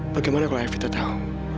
bagaimana kalau evita tahu